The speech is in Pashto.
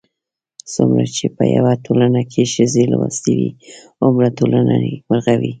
څومره چې په يوه ټولنه کې ښځې لوستې وي، هومره ټولنه نېکمرغه وي